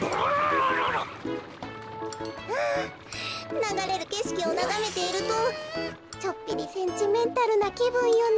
ながれるけしきをながめているとちょっぴりセンチメンタルなきぶんよね。